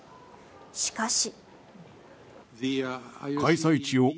しかし。